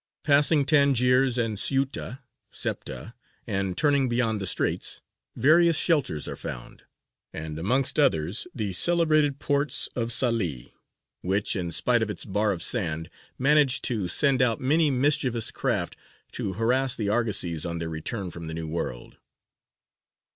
Passing Tangiers and Ceuta (Septa), and turning beyond the Straits, various shelters are found, and amongst others the celebrated ports of Salē, which, in spite of its bar of sand, managed to send out many mischievous craft to harass the argosies on their return from the New World.